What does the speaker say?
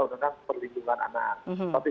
undang undang perlindungan anak tapi